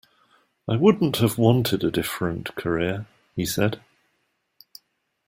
I wouldn't have wanted a different career, he said.